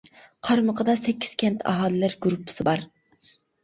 قارمىقىدا سەككىز كەنت ئاھالىلەر گۇرۇپپىسى بار.